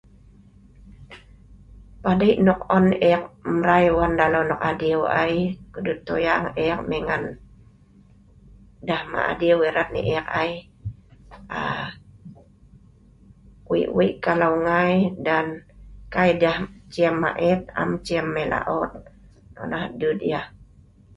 Padei' nok on eek mrai wan dalau dong adiu ai ko'duet toyang eek mai ngan deh ma' adieu erat ne'eek ai, aa wei wei kalau ngai dan kai deh chiem ma'et am chiem mai la'ot. Nonoh dut yeh.